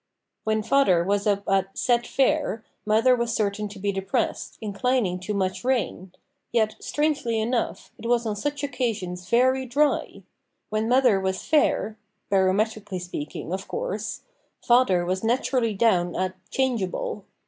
When father was up at "set fair," mother was certain to be depressed, inclining to much rain; yet, strangely enough, it was on such occasions very dry! When mother was "fair," (barometrically speaking, of course), father was naturally down at "changeable"!